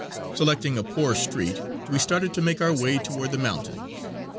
Selecting a poor street, we started to make our way toward the mountains.